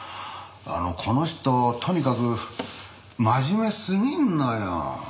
この人とにかく真面目すぎるのよ。